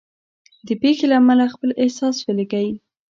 د پېښې له امله خپل احساس ولیکئ.